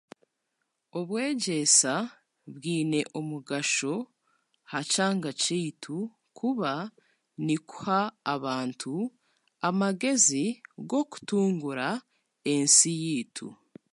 Obwegyesa bwiine omugasho aha kyanga kyeitu kuba nikuha abantu amagezi g'okutungura ensi yeitu.